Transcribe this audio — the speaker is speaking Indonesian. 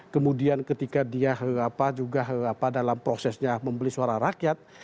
kemudian ketika dia juga dalam prosesnya membeli suara rakyat